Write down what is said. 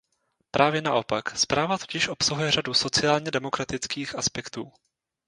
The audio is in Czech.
Právě naopak, zpráva totiž obsahuje řadu sociálně-demokratických aspektů.